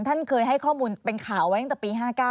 ท่านเคยให้ข้อมูลเป็นข่าวเอาไว้ตั้งแต่ปี๕๙